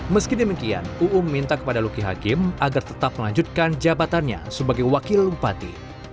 meski demikian uu meminta kepada luki hakim agar tetap melanjutkan jabatannya sebagai wakil lumpati